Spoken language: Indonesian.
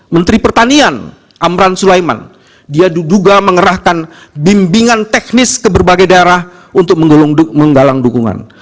menteri pertanian amran sulaiman dia diduga mengerahkan bimbingan teknis ke berbagai daerah untuk menggalang dukungan